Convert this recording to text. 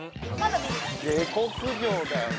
下克上だよな。